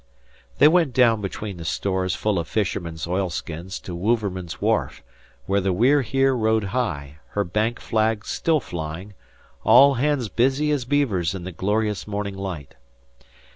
They went down between the stores full of fishermen's oilskins to Wouverman's wharf where the We're Here rode high, her Bank flag still flying, all hands busy as beavers in the glorious morning light.